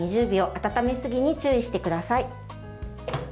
温めすぎに注意してください。